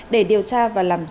để điều tra và làm rõ thủ phạm